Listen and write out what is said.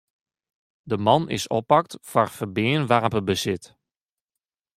De man is oppakt foar ferbean wapenbesit.